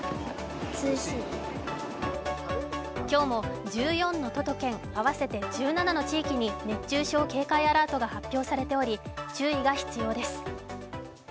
今日も１４の都と県、合わせて１７の地域に熱中症警戒アラートが発表されており、注意が必要です。